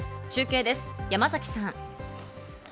中継です、山崎さん。